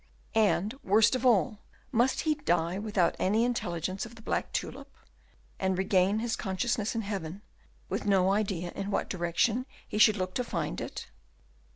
And, worst of all, must he die without any intelligence of the black tulip, and regain his consciousness in heaven with no idea in what direction he should look to find it?